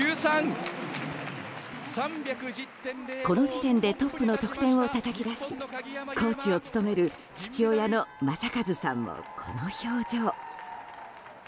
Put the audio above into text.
この時点でトップの得点をたたき出しコーチを務める父親の正和さんもこの表情。